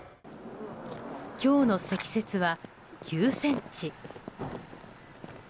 今日の積雪は９ｃｍ。